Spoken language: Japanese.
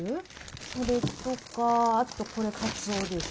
それとかあとこれかつおでしょ。